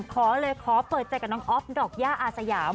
ขอเลยขอเปิดใจกับน้องอ๊อฟดอกย่าอาสยาม